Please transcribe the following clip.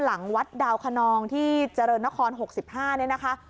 หลังวัดดาวคนนองที่เจริญนคร๖๕เนี่ยนะคะ